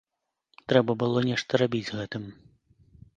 Трэба было нешта рабіць з гэтым.